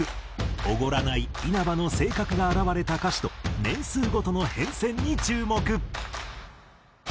おごらない稲葉の性格が表れた歌詞と年数ごとの変遷に注目。